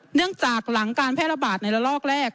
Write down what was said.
หลังจากหลังการแพร่ระบาดในระลอกแรก